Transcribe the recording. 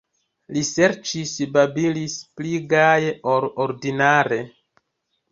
Li ŝercis, babilis pli gaje ol ordinare.